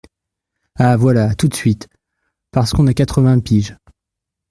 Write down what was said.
Ah voilà ! Tout de suite ! Parce qu’on a quatre-vingts piges